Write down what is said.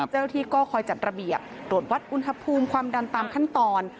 เจ้าหน้าที่ก็คอยจัดระเบียบตรวจวัดอุณหภูมิความดันตามขั้นตอน